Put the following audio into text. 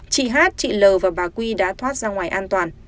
chị hát chị l và bà quy đã thoát ra ngoài an toàn